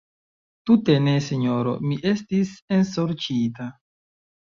Tute ne, sinjoro: mi estis ensorĉita.